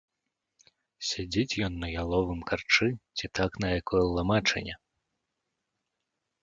Сядзіць ён на яловым карчы ці так на якой ламачыне.